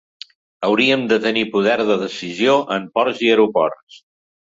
Hauríem de tenir poder de decisió en ports i aeroports.